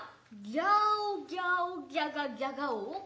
ギャオギャオギャガギャガオ？」。